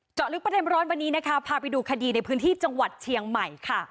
ลึกประเด็นร้อนวันนี้นะคะพาไปดูคดีในพื้นที่จังหวัดเชียงใหม่ค่ะ